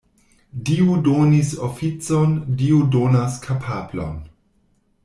Dio donis oficon, Dio donas kapablon.